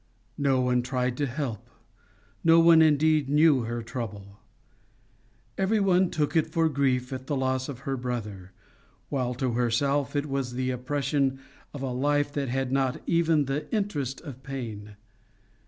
No one tried to help, no one indeed knew her trouble. Everyone took it for grief at the loss of her brother, while to herself it was the oppression of a life that had not even the interest of pain.